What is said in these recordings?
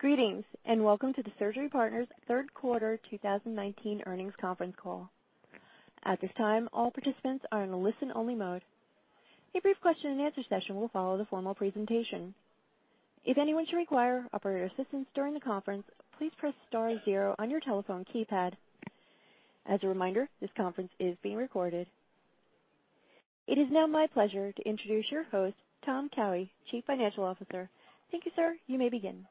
Greetings, and welcome to the Surgery Partners third quarter 2019 earnings conference call. At this time, all participants are in listen-only mode. A brief question-and-answer session will follow the formal presentation. If anyone should require operator assistance during the conference, please press star zero on your telephone keypad. As a reminder, this conference is being recorded. It is now my pleasure to introduce your host, Tom Cowhey, Chief Financial Officer. Thank you, sir. You may begin.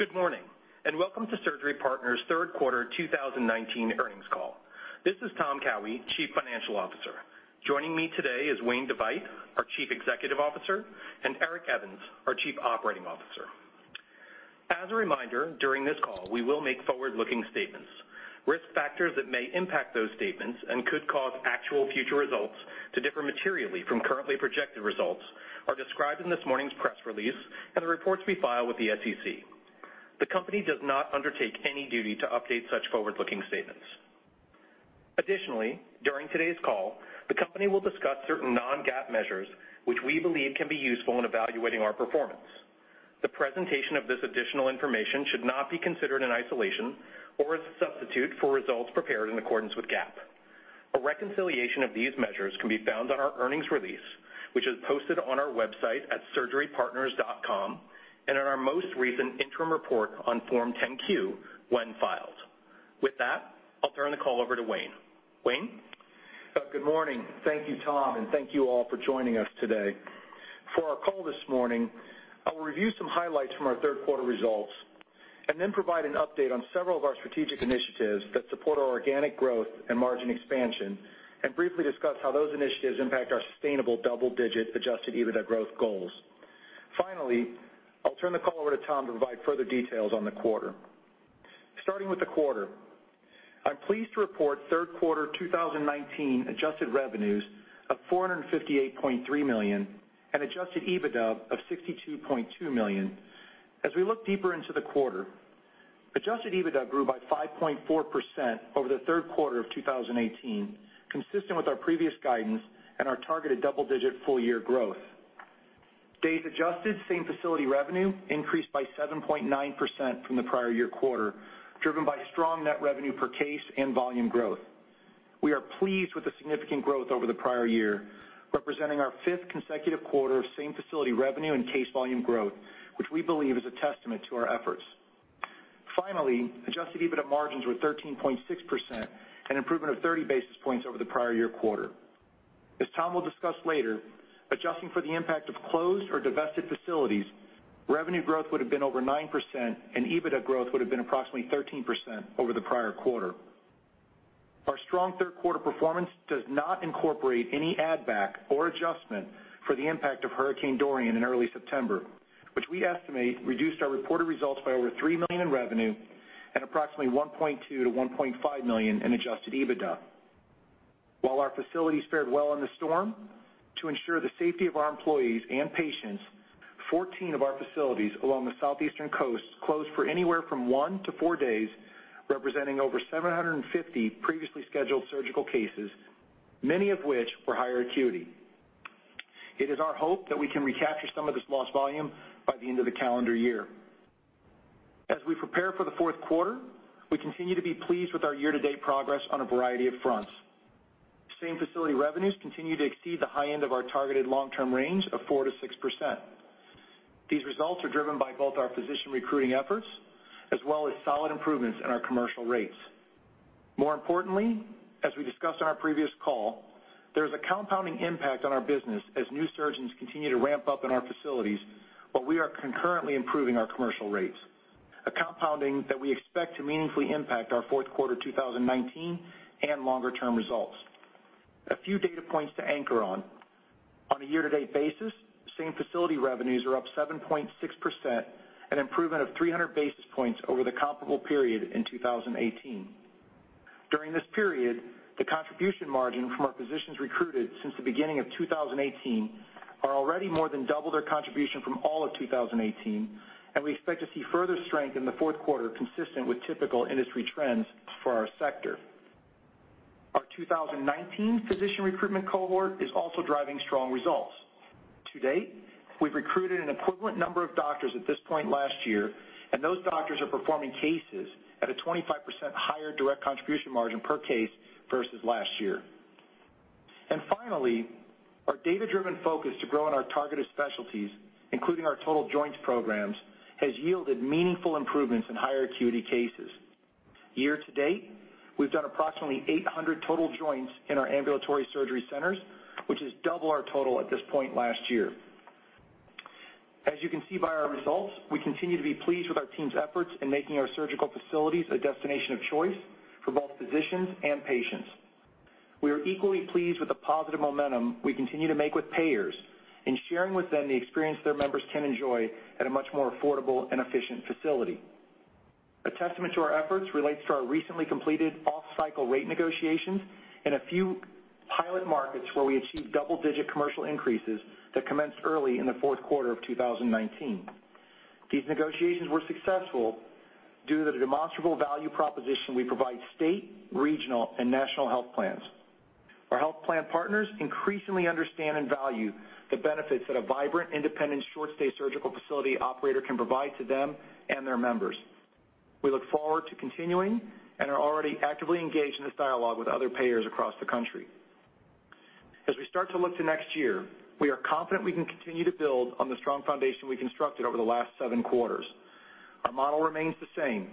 Good morning, and welcome to Surgery Partners' third quarter 2019 earnings call. This is Tom Cowhey, Chief Financial Officer. Joining me today is Wayne S. DeVeydt, our Chief Executive Officer, and Eric Evans, our Chief Operating Officer. As a reminder, during this call, we will make forward-looking statements. Risk factors that may impact those statements and could cause actual future results to differ materially from currently projected results are described in this morning's press release and the reports we file with the SEC. The company does not undertake any duty to update such forward-looking statements. Additionally, during today's call, the company will discuss certain non-GAAP measures which we believe can be useful in evaluating our performance. The presentation of this additional information should not be considered in isolation or as a substitute for results prepared in accordance with GAAP. A reconciliation of these measures can be found on our earnings release, which is posted on our website at surgerypartners.com, and in our most recent interim report on Form 10-Q when filed. With that, I'll turn the call over to Wayne. Wayne? Good morning. Thank you, Tom, and thank you all for joining us today. For our call this morning, I will review some highlights from our third quarter results and then provide an update on several of our strategic initiatives that support our organic growth and margin expansion, and briefly discuss how those initiatives impact our sustainable double-digit adjusted EBITDA growth goals. Finally, I'll turn the call over to Tom to provide further details on the quarter. Starting with the quarter, I'm pleased to report third quarter 2019 adjusted revenues of $458.3 million and adjusted EBITDA of $62.2 million. As we look deeper into the quarter, adjusted EBITDA grew by 5.4% over the third quarter of 2018, consistent with our previous guidance and our targeted double-digit full-year growth. Days adjusted same-facility revenue increased by 7.9% from the prior year quarter, driven by strong net revenue per case and volume growth. We are pleased with the significant growth over the prior year, representing our fifth consecutive quarter of same-facility revenue and case volume growth, which we believe is a testament to our efforts. Finally, adjusted EBITDA margins were 13.6%, an improvement of 30 basis points over the prior year quarter. As Tom will discuss later, adjusting for the impact of closed or divested facilities, revenue growth would've been over 9%, and EBITDA growth would've been approximately 13% over the prior quarter. Our strong third quarter performance does not incorporate any add-back or adjustment for the impact of Hurricane Dorian in early September, which we estimate reduced our reported results by over $3 million in revenue and approximately $1.2 million-$1.5 million in adjusted EBITDA. While our facilities fared well in the storm, to ensure the safety of our employees and patients, 14 of our facilities along the southeastern coast closed for anywhere from one to four days, representing over 750 previously scheduled surgical cases, many of which were higher acuity. It is our hope that we can recapture some of this lost volume by the end of the calendar year. As we prepare for the fourth quarter, we continue to be pleased with our year-to-date progress on a variety of fronts. Same-facility revenues continue to exceed the high end of our targeted long-term range of 4%-6%. These results are driven by both our physician recruiting efforts as well as solid improvements in our commercial rates. More importantly, as we discussed on our previous call, there is a compounding impact on our business as new surgeons continue to ramp up in our facilities, while we are concurrently improving our commercial rates, a compounding that we expect to meaningfully impact our fourth quarter 2019 and longer-term results. A few data points to anchor on. On a year-to-date basis, same-facility revenues are up 7.6%, an improvement of 300 basis points over the comparable period in 2018. During this period, the contribution margin from our physicians recruited since the beginning of 2018 are already more than double their contribution from all of 2018, and we expect to see further strength in the fourth quarter consistent with typical industry trends for our sector. Our 2019 physician recruitment cohort is also driving strong results. To date, we've recruited an equivalent number of doctors at this point last year, and those doctors are performing cases at a 25% higher direct contribution margin per case versus last year. Finally, our data-driven focus to grow in our targeted specialties, including our total joints programs, has yielded meaningful improvements in higher acuity cases. Year to date, we've done approximately 800 total joints in our ambulatory surgery centers, which is double our total at this point last year. As you can see by our results, we continue to be pleased with our team's efforts in making our surgical facilities a destination of choice for both physicians and patients. We are equally pleased with the positive momentum we continue to make with payers in sharing with them the experience their members can enjoy at a much more affordable and efficient facility. A testament to our efforts relates to our recently completed off-cycle rate negotiations in a few pilot markets where we achieved double-digit commercial increases that commenced early in the fourth quarter of 2019. These negotiations were successful due to the demonstrable value proposition we provide state, regional, and national health plans. Our health plan partners increasingly understand and value the benefits that a vibrant, independent, short-stay surgical facility operator can provide to them and their members. We look forward to continuing and are already actively engaged in this dialogue with other payers across the country. As we start to look to next year, we are confident we can continue to build on the strong foundation we constructed over the last seven quarters. Our model remains the same.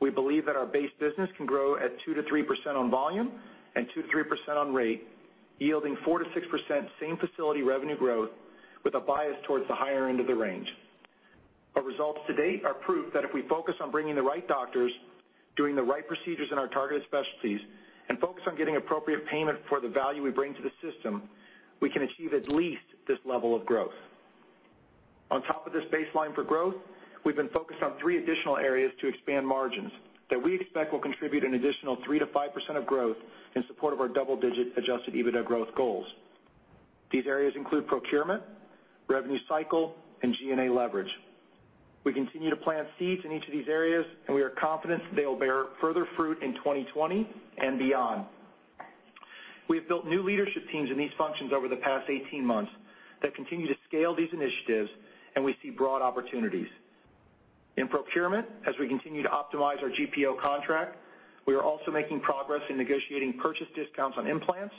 We believe that our base business can grow at 2%-3% on volume and 2%-3% on rate, yielding 4%-6% same-facility revenue growth with a bias towards the higher end of the range. Our results to date are proof that if we focus on bringing the right doctors, doing the right procedures in our targeted specialties, and focus on getting appropriate payment for the value we bring to the system, we can achieve at least this level of growth. On top of this baseline for growth, we've been focused on three additional areas to expand margins that we expect will contribute an additional 3%-5% of growth in support of our double-digit adjusted EBITDA growth goals. These areas include procurement, revenue cycle, and G&A leverage. We continue to plant seeds in each of these areas, we are confident they will bear further fruit in 2020 and beyond. We have built new leadership teams in these functions over the past 18 months that continue to scale these initiatives, we see broad opportunities. In procurement, as we continue to optimize our GPO contract, we are also making progress in negotiating purchase discounts on implants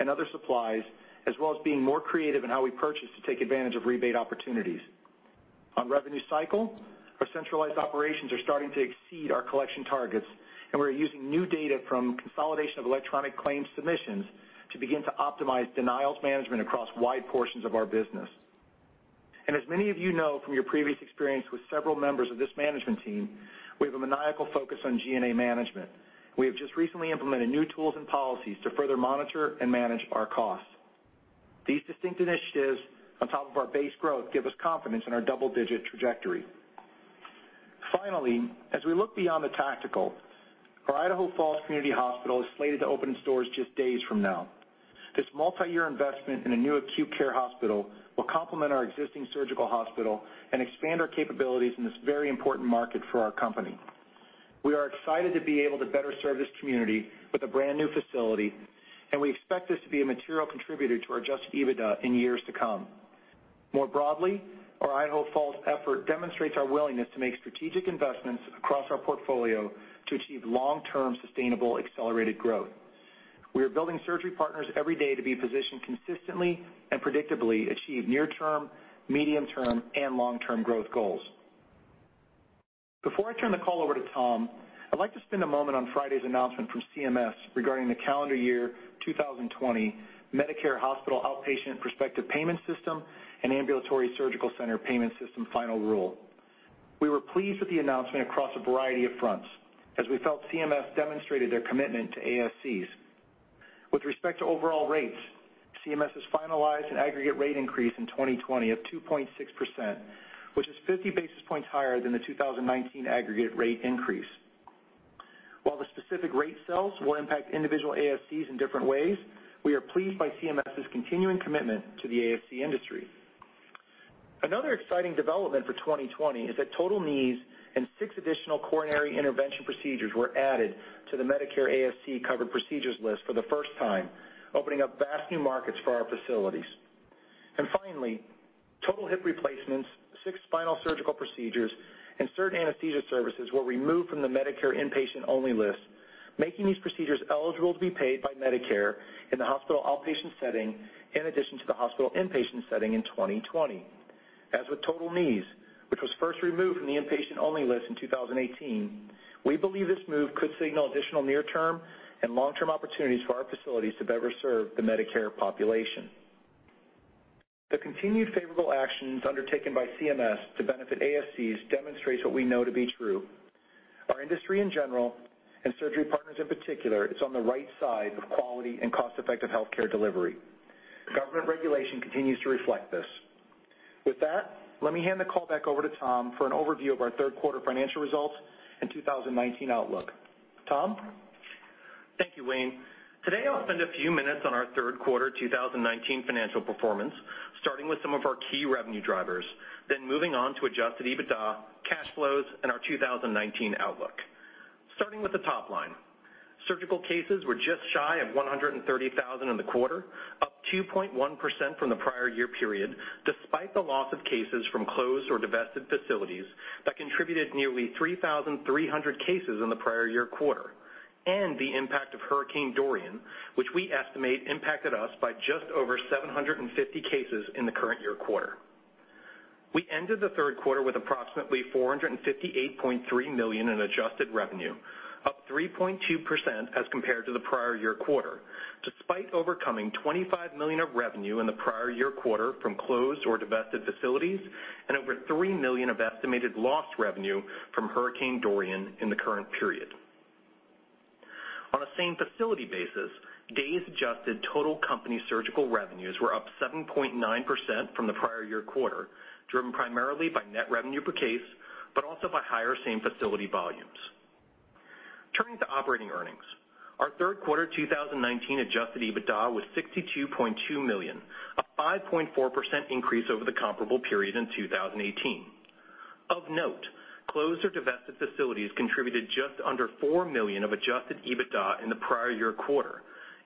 and other supplies, as well as being more creative in how we purchase to take advantage of rebate opportunities. On revenue cycle, our centralized operations are starting to exceed our collection targets, we're using new data from consolidation of electronic claims submissions to begin to optimize denials management across wide portions of our business. As many of you know from your previous experience with several members of this management team, we have a maniacal focus on G&A management. We have just recently implemented new tools and policies to further monitor and manage our costs. These distinct initiatives, on top of our base growth, give us confidence in our double-digit trajectory. Finally, as we look beyond the tactical, our Idaho Falls Community Hospital is slated to open its doors just days from now. This multi-year investment in a new acute care hospital will complement our existing surgical hospital and expand our capabilities in this very important market for our company. We are excited to be able to better serve this community with a brand-new facility, and we expect this to be a material contributor to our adjusted EBITDA in years to come. More broadly, our Idaho Falls effort demonstrates our willingness to make strategic investments across our portfolio to achieve long-term, sustainable, accelerated growth. We are building Surgery Partners every day to be positioned consistently and predictably achieve near-term, medium-term, and long-term growth goals. Before I turn the call over to Tom, I'd like to spend a moment on Friday's announcement from CMS regarding the calendar year 2020 Medicare Hospital Outpatient Prospective Payment System and Ambulatory Surgical Center Payment System final rule. We were pleased with the announcement across a variety of fronts as we felt CMS demonstrated their commitment to ASCs. With respect to overall rates, CMS has finalized an aggregate rate increase in 2020 of 2.6%, which is 50 basis points higher than the 2019 aggregate rate increase. While the specific rate sales will impact individual ASCs in different ways, we are pleased by CMS's continuing commitment to the ASC industry. Another exciting development for 2020 is that total knees and six additional coronary intervention procedures were added to the Medicare ASC Covered Procedures List for the first time, opening up vast new markets for our facilities. Finally, total hip replacements, six spinal surgical procedures, and certain anesthesia services were removed from the Medicare Inpatient-Only List, making these procedures eligible to be paid by Medicare in the hospital outpatient setting, in addition to the hospital inpatient setting in 2020. As with total knees, which was first removed from the Inpatient-Only List in 2018, we believe this move could signal additional near-term and long-term opportunities for our facilities to better serve the Medicare population. The continued favorable actions undertaken by CMS to benefit ASCs demonstrates what we know to be true. Our industry in general, and Surgery Partners in particular, is on the right side of quality and cost-effective healthcare delivery. Government regulation continues to reflect this. With that, let me hand the call back over to Tom for an overview of our third quarter financial results and 2019 outlook. Tom? Thank you, Wayne. Today, I'll spend a few minutes on our third quarter 2019 financial performance, starting with some of our key revenue drivers, then moving on to adjusted EBITDA, cash flows, and our 2019 outlook. Starting with the top line, surgical cases were just shy of 130,000 in the quarter, up 2.1% from the prior year period, despite the loss of cases from closed or divested facilities that contributed nearly 3,300 cases in the prior year quarter, and the impact of Hurricane Dorian, which we estimate impacted us by just over 750 cases in the current year quarter. We ended the third quarter with approximately $458.3 million in adjusted revenue, up 3.2% as compared to the prior year quarter, despite overcoming $25 million of revenue in the prior year quarter from closed or divested facilities and over $3 million of estimated lost revenue from Hurricane Dorian in the current period. On a same-facility basis, days-adjusted total company surgical revenues were up 7.9% from the prior year quarter, driven primarily by net revenue per case, but also by higher same-facility volumes. Turning to operating earnings, our third quarter 2019 adjusted EBITDA was $62.2 million, a 5.4% increase over the comparable period in 2018. Of note, closed or divested facilities contributed just under $4 million of adjusted EBITDA in the prior year quarter,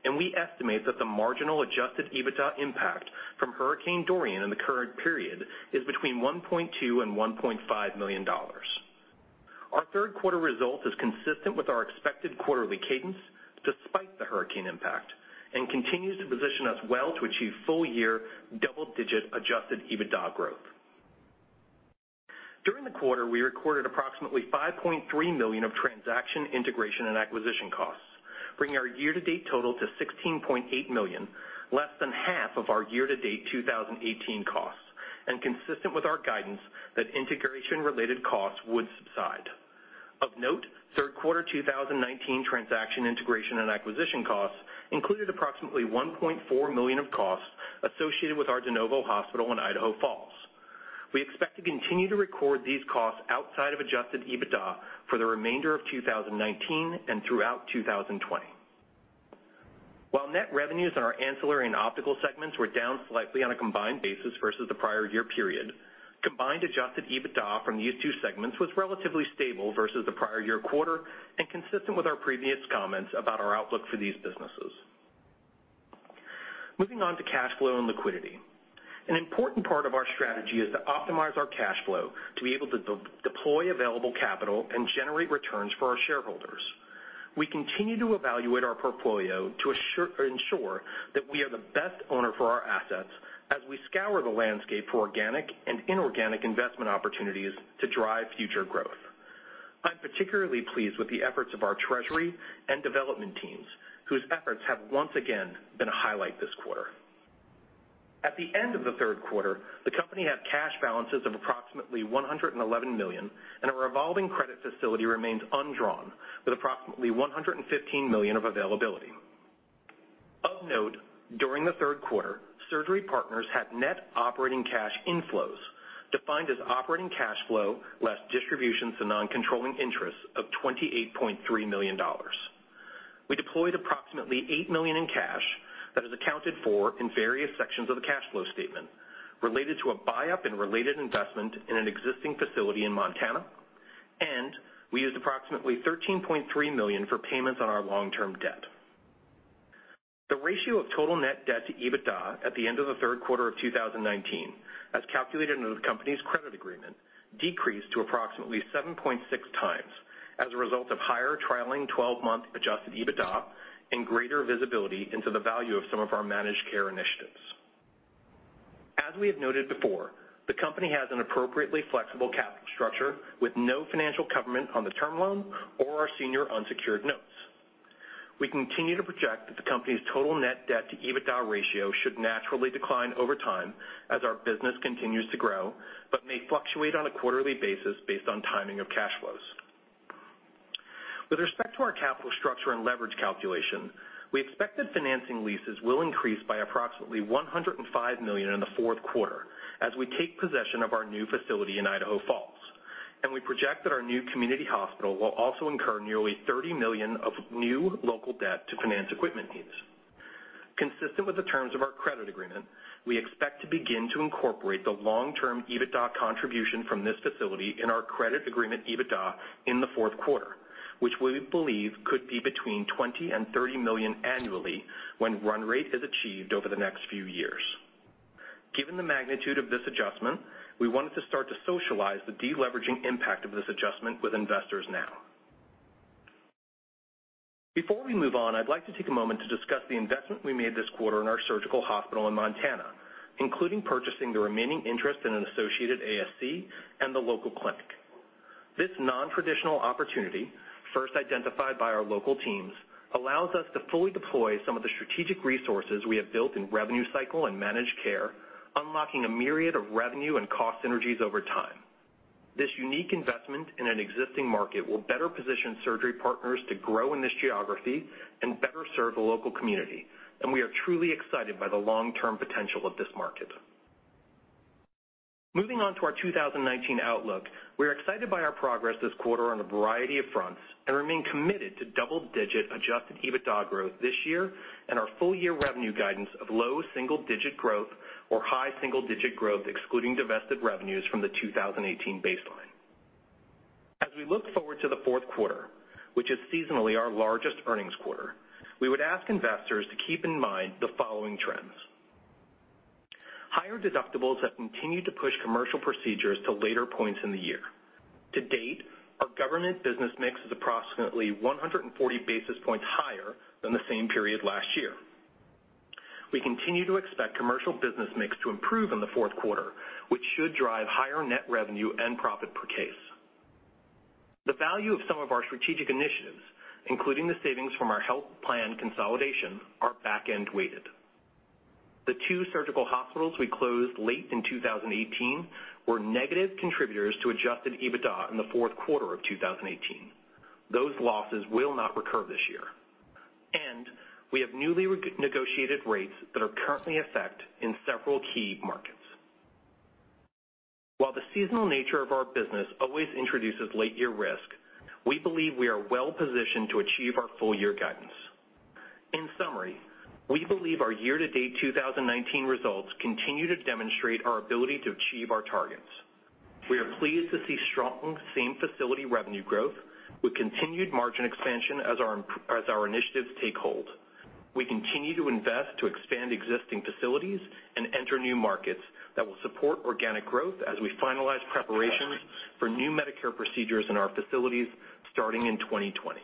and we estimate that the marginal adjusted EBITDA impact from Hurricane Dorian in the current period is between $1.2 million and $1.5 million. Our third quarter result is consistent with our expected quarterly cadence despite the hurricane impact, and continues to position us well to achieve full year double-digit adjusted EBITDA growth. During the quarter, we recorded approximately $5.3 million of transaction integration and acquisition costs, bringing our year-to-date total to $16.8 million, less than half of our year-to-date 2018 costs, and consistent with our guidance that integration related costs would subside. Of note, third quarter 2019 transaction integration and acquisition costs included approximately $1.4 million of costs associated with our de novo hospital in Idaho Falls. We expect to continue to record these costs outside of adjusted EBITDA for the remainder of 2019 and throughout 2020. While net revenues in our ancillary and optical segments were down slightly on a combined basis versus the prior year period, combined adjusted EBITDA from these two segments was relatively stable versus the prior year quarter, and consistent with our previous comments about our outlook for these businesses. Moving on to cash flow and liquidity. An important part of our strategy is to optimize our cash flow to be able to deploy available capital and generate returns for our shareholders. We continue to evaluate our portfolio to ensure that we are the best owner for our assets as we scour the landscape for organic and inorganic investment opportunities to drive future growth. I'm particularly pleased with the efforts of our treasury and development teams, whose efforts have once again been a highlight this quarter. At the end of the third quarter, the company had cash balances of approximately $111 million. A revolving credit facility remains undrawn, with approximately $115 million of availability. Of note, during the third quarter, Surgery Partners had net operating cash inflows, defined as operating cash flow less distributions to non-controlling interests of $28.3 million. We deployed approximately $8 million in cash, that is accounted for in various sections of the cash flow statement, related to a buyup and related investment in an existing facility in Montana. We used approximately $13.3 million for payments on our long-term debt. The ratio of total net debt to EBITDA at the end of the third quarter of 2019, as calculated under the company's credit agreement, decreased to approximately 7.6x, as a result of higher trailing 12-month adjusted EBITDA and greater visibility into the value of some of our managed care initiatives. As we have noted before, the company has an appropriately flexible capital structure with no financial covenant on the term loan or our senior unsecured notes. We continue to project that the company's total net debt to EBITDA ratio should naturally decline over time as our business continues to grow, but may fluctuate on a quarterly basis based on timing of cash flows. With respect to our capital structure and leverage calculation, we expect that financing leases will increase by approximately $105 million in the fourth quarter as we take possession of our new facility in Idaho Falls, and we project that our new community hospital will also incur nearly $30 million of new local debt to finance equipment needs. Consistent with the terms of our credit agreement, we expect to begin to incorporate the long-term EBITDA contribution from this facility in our credit agreement EBITDA in the fourth quarter, which we believe could be between $20 million-$30 million annually when run rate is achieved over the next few years. Given the magnitude of this adjustment, we wanted to start to socialize the deleveraging impact of this adjustment with investors now. Before we move on, I'd like to take a moment to discuss the investment we made this quarter in our surgical hospital in Montana, including purchasing the remaining interest in an associated ASC and the local clinic. This non-traditional opportunity, first identified by our local teams, allows us to fully deploy some of the strategic resources we have built in revenue cycle and managed care, unlocking a myriad of revenue and cost synergies over time. This unique investment in an existing market will better position Surgery Partners to grow in this geography and better serve the local community, and we are truly excited by the long-term potential of this market. Moving on to our 2019 outlook, we are excited by our progress this quarter on a variety of fronts and remain committed to double-digit adjusted EBITDA growth this year and our full year revenue guidance of low single digit growth or high single digit growth, excluding divested revenues from the 2018 baseline. As we look forward to the fourth quarter, which is seasonally our largest earnings quarter, we would ask investors to keep in mind the following trends. Higher deductibles have continued to push commercial procedures to later points in the year. To date, our government business mix is approximately 140 basis points higher than the same period last year. We continue to expect commercial business mix to improve in the fourth quarter, which should drive higher net revenue and profit per case. The value of some of our strategic initiatives, including the savings from our health plan consolidation, are backend weighted. The two surgical hospitals we closed late in 2018 were negative contributors to adjusted EBITDA in the fourth quarter of 2018. Those losses will not recur this year. We have newly negotiated rates that are currently in effect in several key markets. While the seasonal nature of our business always introduces late year risk, we believe we are well positioned to achieve our full year guidance. In summary, we believe our year-to-date 2019 results continue to demonstrate our ability to achieve our targets. We are pleased to see strong same-facility revenue growth with continued margin expansion as our initiatives take hold. We continue to invest to expand existing facilities and enter new markets that will support organic growth as we finalize preparations for new Medicare procedures in our facilities starting in 2020.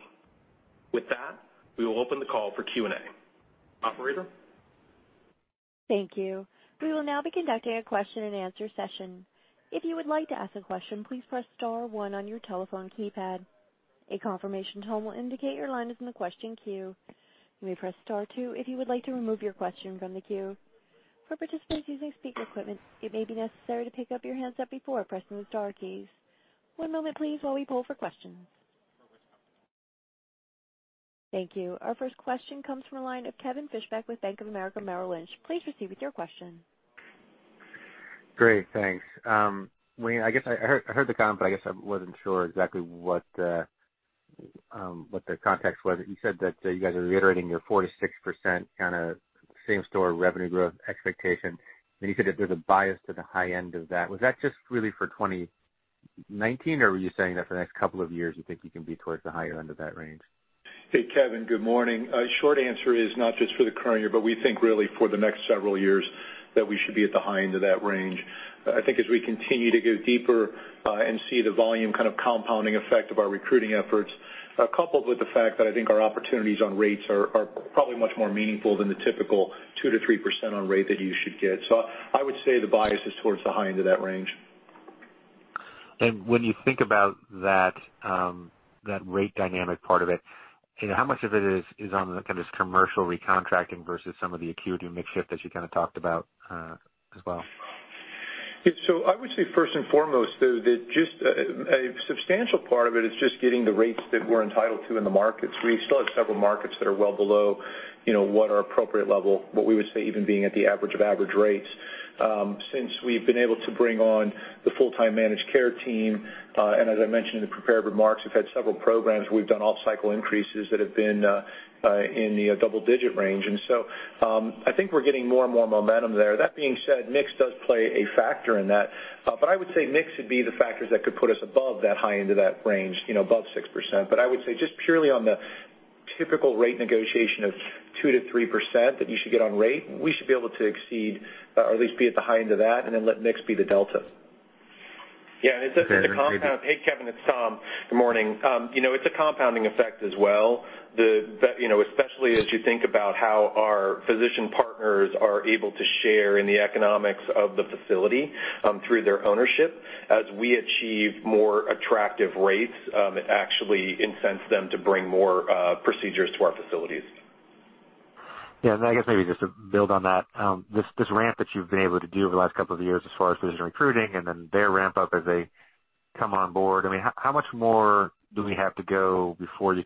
With that, we will open the call for Q&A. Operator? Thank you. We will now be conducting a question and answer session. If you would like to ask a question, please press star one on your telephone keypad. A confirmation tone will indicate your line is in the question queue. You may press star two if you would like to remove your question from the queue. For participants using speaker equipment, it may be necessary to pick up your handset before pressing the star keys. One moment please while we poll for questions. Thank you. Our first question comes from the line of Kevin Fischbeck with Bank of America Merrill Lynch. Please proceed with your question. Great, thanks. Wayne, I heard the comment, but I guess I wasn't sure exactly what the context was. You said that you guys are reiterating your 4%-6% same-store revenue growth expectation, and you said that there's a bias to the high end of that. Was that just really for 2019, or were you saying that for the next couple of years you think you can be towards the high end of that range? Hey, Kevin. Good morning. Short answer is not just for the current year, we think really for the next several years that we should be at the high end of that range. I think as we continue to go deeper and see the volume compounding effect of our recruiting efforts, coupled with the fact that I think our opportunities on rates are probably much more meaningful than the typical 2%-3% on rate that you should get. I would say the bias is towards the high end of that range. When you think about that rate dynamic part of it, how much of it is on this commercial recontracting versus some of the acuity mix shift that you talked about as well? I would say first and foremost, a substantial part of it is just getting the rates that we're entitled to in the markets. We still have several markets that are well below what our appropriate level, what we would say even being at the average of average rates. Since we've been able to bring on the full-time managed care team, and as I mentioned in the prepared remarks, we've had several programs where we've done off-cycle increases that have been in the double-digit range. I think we're getting more and more momentum there. That being said, mix does play a factor in that. I would say mix would be the factors that could put us above that high end of that range, above 6%. I would say just purely on the typical rate negotiation of 2%-3% that you should get on rate, we should be able to exceed or at least be at the high end of that and then let mix be the delta. Okay. Hey, Kevin, it's Tom. Good morning. It's a compounding effect as well, especially as you think about how our physician partners are able to share in the economics of the facility through their ownership. As we achieve more attractive rates, it actually incents them to bring more procedures to our facilities. Yeah. I guess maybe just to build on that, this ramp that you've been able to do over the last couple of years as far as physician recruiting and then their ramp up as they come on board, how much more do we have to go before you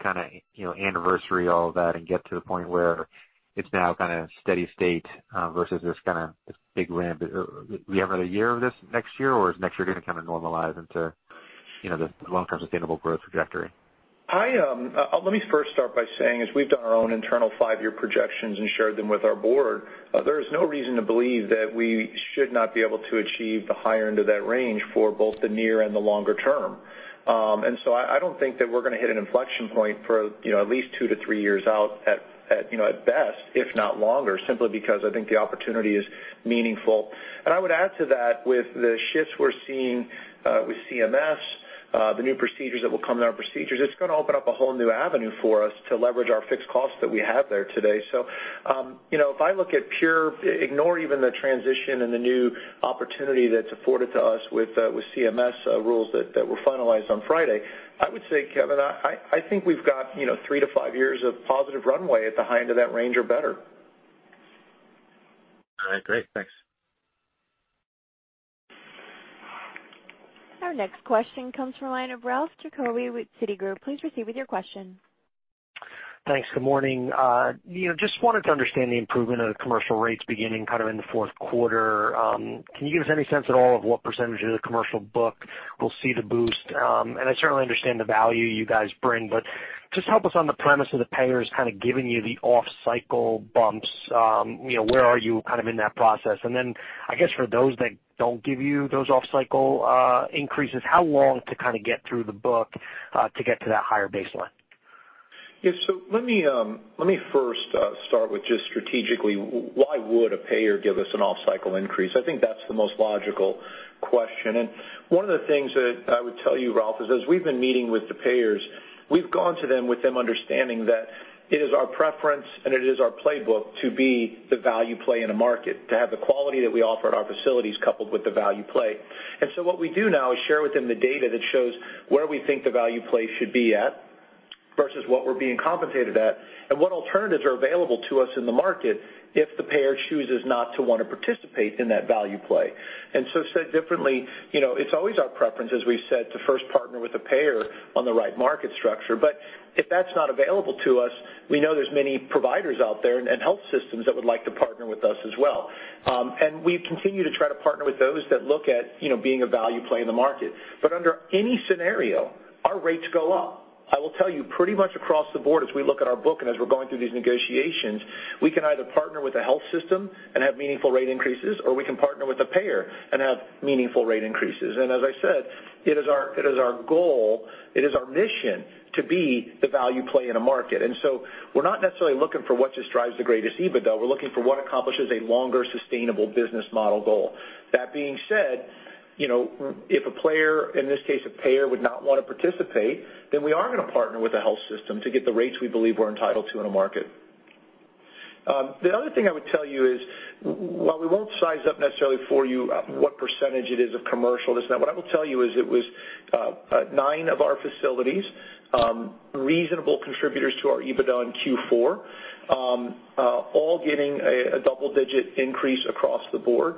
anniversary all of that and get to the point where it's now steady state versus this big ramp? Do we have another year of this next year, or is next year going to normalize into the long-term sustainable growth trajectory? Let me first start by saying, as we've done our own internal 5-year projections and shared them with our board, there is no reason to believe that we should not be able to achieve the higher end of that range for both the near and the longer term. I don't think that we're going to hit an inflection point for at least two to three years out at best, if not longer, simply because I think the opportunity is meaningful. I would add to that with the shifts we're seeing with CMS, the new procedures that will come in our procedures, it's going to open up a whole new avenue for us to leverage our fixed costs that we have there today. If I look at pure, ignore even the transition and the new opportunity that's afforded to us with CMS rules that were finalized on Friday, I would say, Kevin, I think we've got three to five years of positive runway at the high end of that range or better. All right, great. Thanks. Our next question comes from the line of Ralph Giacobbe with Citigroup. Please proceed with your question. Thanks. Good morning. Just wanted to understand the improvement of the commercial rates beginning in the fourth quarter. Can you give us any sense at all of what percentage of the commercial book will see the boost? I certainly understand the value you guys bring, but just help us on the premise of the payers giving you the off-cycle bumps. Where are you in that process? I guess for those that don't give you those off-cycle increases, how long to get through the book to get to that higher baseline? Yeah. Let me first start with just strategically, why would a payer give us an off-cycle increase? I think that's the most logical question. One of the things that I would tell you, Ralph, is as we've been meeting with the payers, we've gone to them with them understanding that it is our preference and it is our playbook to be the value play in a market, to have the quality that we offer at our facilities coupled with the value play. What we do now is share with them the data that shows where we think the value play should be at versus what we're being compensated at, and what alternatives are available to us in the market if the payer chooses not to want to participate in that value play. Said differently, it's always our preference, as we've said, to first partner with a payer on the right market structure. If that's not available to us, we know there's many providers out there and health systems that would like to partner with us as well. We continue to try to partner with those that look at being a value play in the market. Under any scenario, our rates go up. I will tell you pretty much across the board as we look at our book and as we're going through these negotiations, we can either partner with a health system and have meaningful rate increases, or we can partner with a payer and have meaningful rate increases. As I said, it is our goal, it is our mission to be the value play in a market. We're not necessarily looking for what just drives the greatest EBITDA. We're looking for what accomplishes a longer sustainable business model goal. If a payer, in this case, a payer would not want to participate, then we are going to partner with a health system to get the rates we believe we're entitled to in a market. I would tell you is, while we won't size up necessarily for you what percentage it is of commercial, what I will tell you is it was nine of our facilities, reasonable contributors to our EBITDA in Q4, all getting a double-digit increase across the board.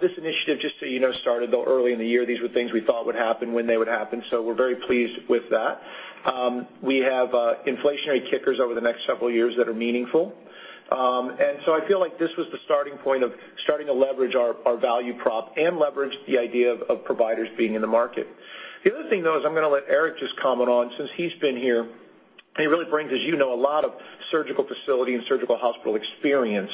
This initiative, just so you know, started early in the year. These were things we thought would happen when they would happen, so we're very pleased with that. We have inflationary kickers over the next several years that are meaningful. I feel like this was the starting point of starting to leverage our value prop and leverage the idea of providers being in the market. The other thing, though, is I'm going to let Eric just comment on, since he's been here, and he really brings, as you know, a lot of surgical facility and surgical hospital experience.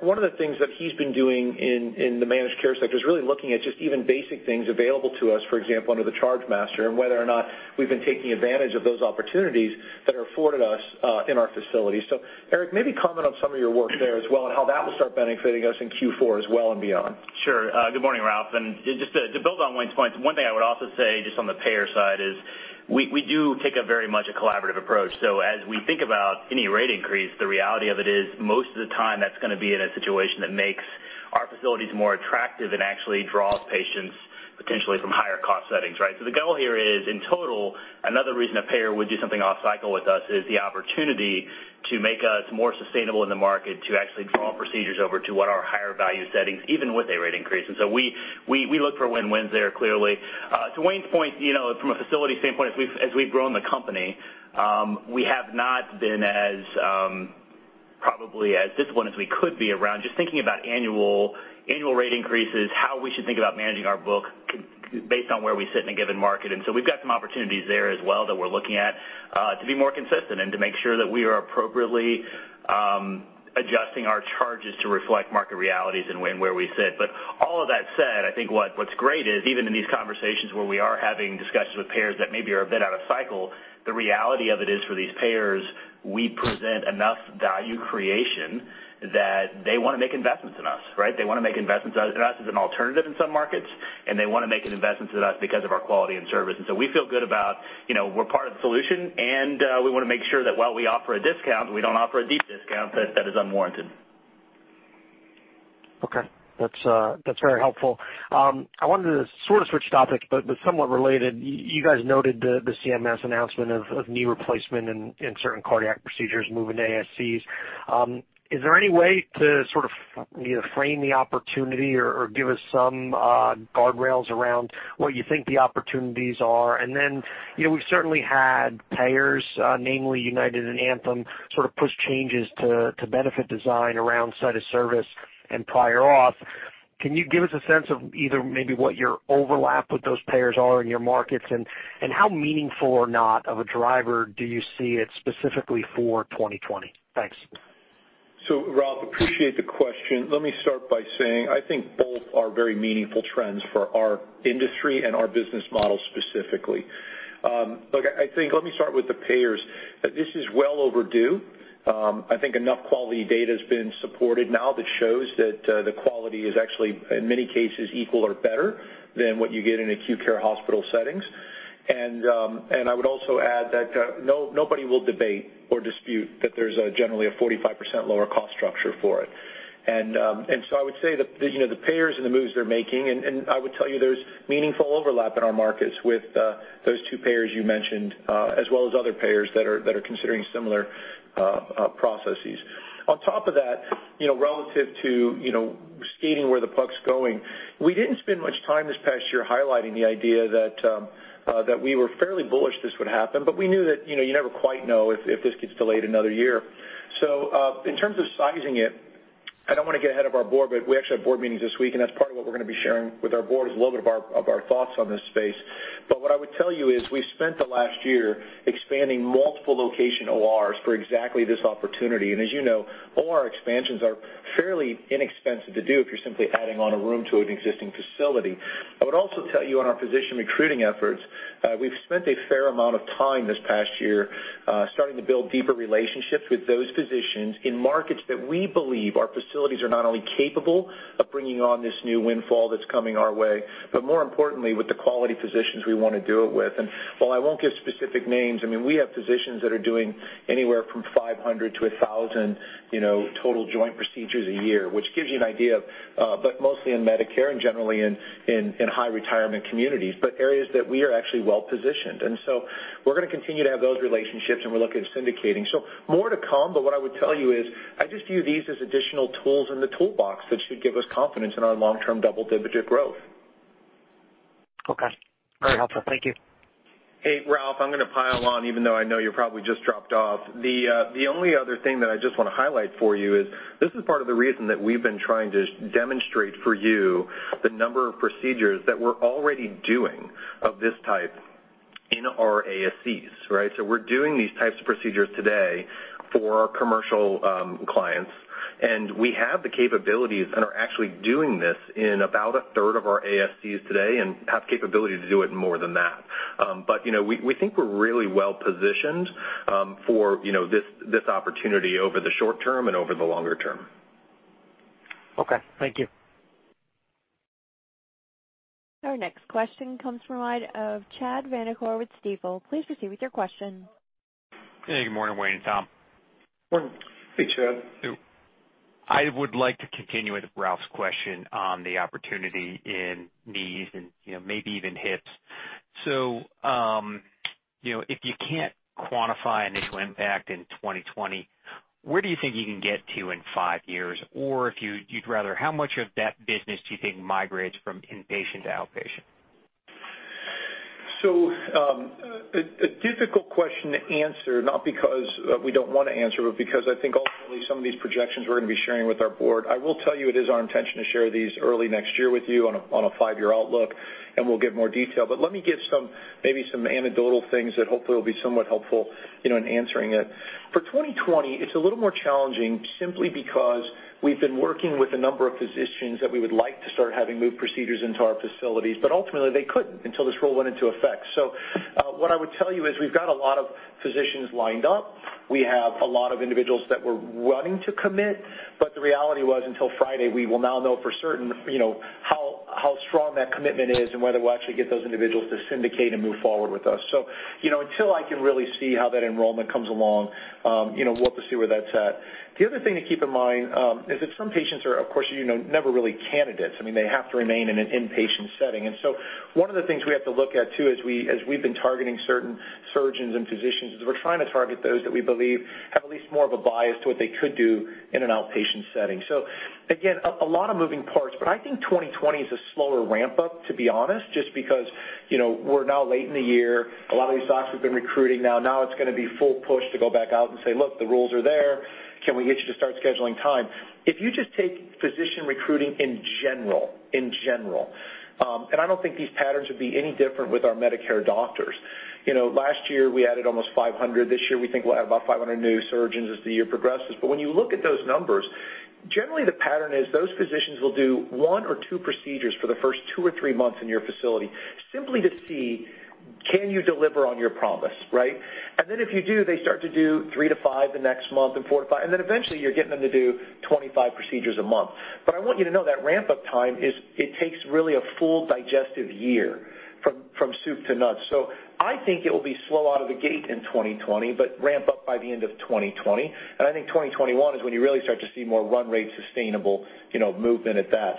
One of the things that he's been doing in the managed care sector is really looking at just even basic things available to us, for example, under the chargemaster, and whether or not we've been taking advantage of those opportunities that are afforded us in our facilities. Eric, maybe comment on some of your work there as well and how that will start benefiting us in Q4 as well and beyond. Sure. Good morning, Ralph. Just to build on Wayne's points, one thing I would also say just on the payer side is we do take a very much a collaborative approach. As we think about any rate increase, the reality of it is most of the time that's going to be in a situation that makes our facilities more attractive and actually draws patients potentially from higher cost settings, right? The goal here is, in total, another reason a payer would do something off cycle with us is the opportunity to make us more sustainable in the market to actually draw procedures over to what are higher value settings, even with a rate increase. We look for win-wins there clearly. To Wayne's point, from a facility standpoint, as we've grown the company, we have not been probably as disciplined as we could be around just thinking about annual rate increases, how we should think about managing our book based on where we sit in a given market. We've got some opportunities there as well that we're looking at to be more consistent and to make sure that we are appropriately adjusting our charges to reflect market realities and where we sit. All of that said, I think what's great is even in these conversations where we are having discussions with payers that maybe are a bit out of cycle, the reality of it is for these payers, we present enough value creation that they want to make investments in us, right? They want to make investments in us as an alternative in some markets, and they want to make an investment in us because of our quality and service. We feel good about we're part of the solution, and we want to make sure that while we offer a discount, we don't offer a deep discount that is unwarranted. Okay. That's very helpful. I wanted to sort of switch topics, but somewhat related. You guys noted the CMS announcement of knee replacement and certain cardiac procedures moving to ASCs. Is there any way to frame the opportunity or give us some guardrails around what you think the opportunities are? We've certainly had payers, namely United and Anthem, sort of push changes to benefit design around site of service and prior auth. Can you give us a sense of either maybe what your overlap with those payers are in your markets, and how meaningful or not of a driver do you see it specifically for 2020? Thanks. Ralph, appreciate the question. Let me start by saying I think both are very meaningful trends for our industry and our business model specifically. Look, let me start with the payers. This is well overdue. I think enough quality data has been supported now that shows that the quality is actually, in many cases, equal or better than what you get in acute care hospital settings. I would also add that nobody will debate or dispute that there's generally a 45% lower cost structure for it. I would say that the payers and the moves they're making, and I would tell you there's meaningful overlap in our markets with those two payers you mentioned, as well as other payers that are considering similar processes. On top of that, relative to skating where the puck's going, we didn't spend much time this past year highlighting the idea that we were fairly bullish this would happen, but we knew that you never quite know if this gets delayed another year. In terms of sizing it, I don't want to get ahead of our board, but we actually have board meetings this week, and that's part of what we're going to be sharing with our board is a little bit of our thoughts on this space. What I would tell you is we've spent the last year expanding multiple location ORs for exactly this opportunity. As you know, OR expansions are fairly inexpensive to do if you're simply adding on a room to an existing facility. I would also tell you on our physician recruiting efforts, we've spent a fair amount of time this past year starting to build deeper relationships with those physicians in markets that we believe our facilities are not only capable of bringing on this new windfall that's coming our way, but more importantly, with the quality physicians we want to do it with. While I won't give specific names, we have physicians that are doing anywhere from 500 to 1,000 total joint procedures a year, which gives you an idea, but mostly in Medicare and generally in high retirement communities, but areas that we are actually well-positioned. We're going to continue to have those relationships, and we're looking at syndicating. More to come, but what I would tell you is I just view these as additional tools in the toolbox that should give us confidence in our long-term double-digit growth. Okay. Very helpful. Thank you. Hey, Ralph, I'm going to pile on even though I know you probably just dropped off. The only other thing that I just want to highlight for you is this is part of the reason that we've been trying to demonstrate for you the number of procedures that we're already doing of this type in our ASCs. We're doing these types of procedures today for our commercial clients, and we have the capabilities and are actually doing this in about a third of our ASCs today, and have capability to do it more than that. We think we're really well-positioned for this opportunity over the short term and over the longer term. Okay. Thank you. Our next question comes from the line of Chad Vanacore with Stifel. Please proceed with your question. Hey, good morning, Wayne and Tom. Morning. Hey, Chad. I would like to continue with Ralph's question on the opportunity in knees and maybe even hips. If you can't quantify an initial impact in 2020, where do you think you can get to in five years? If you'd rather, how much of that business do you think migrates from inpatient to outpatient? A difficult question to answer, not because we don't want to answer, but because I think ultimately some of these projections we're going to be sharing with our board. I will tell you it is our intention to share these early next year with you on a 5-year outlook, and we'll give more detail. Let me give maybe some anecdotal things that hopefully will be somewhat helpful in answering it. For 2020, it's a little more challenging simply because we've been working with a number of physicians that we would like to start having move procedures into our facilities, but ultimately, they couldn't until this rule went into effect. What I would tell you is we've got a lot of physicians lined up. We have a lot of individuals that we're wanting to commit, but the reality was, until Friday, we will now know for certain how strong that commitment is and whether we'll actually get those individuals to syndicate and move forward with us. Until I can really see how that enrollment comes along, we'll have to see where that's at. The other thing to keep in mind is that some patients are, of course, you know, never really candidates. I mean, they have to remain in an inpatient setting. One of the things we have to look at, too, as we've been targeting certain surgeons and physicians, is we're trying to target those that we believe have at least more of a bias to what they could do in an outpatient setting. Again, a lot of moving parts, but I think 2020 is a slower ramp-up, to be honest, just because we're now late in the year. A lot of these docs we've been recruiting now. Now it's going to be full push to go back out and say, "Look, the rules are there. Can we get you to start scheduling time?" If you just take physician recruiting in general, and I don't think these patterns would be any different with our Medicare doctors. Last year, we added almost 500. This year, we think we'll add about 500 new surgeons as the year progresses. When you look at those numbers, generally the pattern is those physicians will do one or two procedures for the first two or three months in your facility, simply to see, can you deliver on your promise, right? If you do, they start to do three to five the next month, and four to five, and then eventually you're getting them to do 25 procedures a month. I want you to know that ramp-up time is it takes really a full digestive year from soup to nuts. I think it will be slow out of the gate in 2020, but ramp up by the end of 2020. I think 2021 is when you really start to see more run rate sustainable movement at that.